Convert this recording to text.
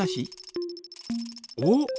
おっ！